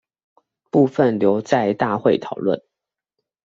部分留在大會討論